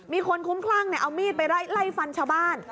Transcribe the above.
มีคนคุ้มคลั่งเอามีดไปไล่ฟันชาวบ้าน